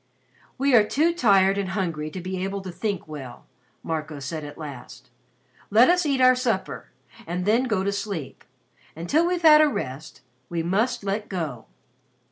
"We are too tired and hungry to be able to think well," Marco said at last. "Let us eat our supper and then go to sleep. Until we've had a rest, we must 'let go.'"